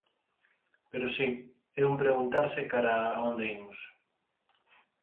Pero si, é un preguntarse cara a onde imos.